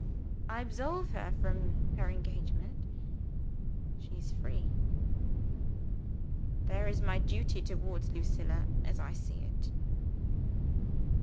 I absolve her from her engagement. She is free. "There is my duty towards Lucilla as I see it.